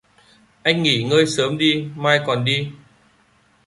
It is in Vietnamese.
Anh nghỉ ngơi sớm đi mai còn đi